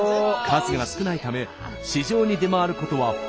数が少ないため市場に出回ることはほとんどありません。